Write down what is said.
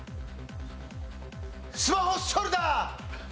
スマホショルダー！